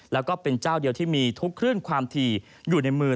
แล้วก็เป็นเจ้าเดียวที่มีทุกคลื่นความถี่อยู่ในมือ